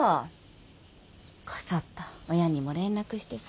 こそっと親にも連絡してさ。